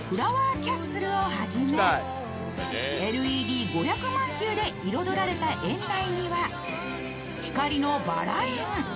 キャッスルをはじめＬＥＤ５００万球で彩られた園内には光のバラ園。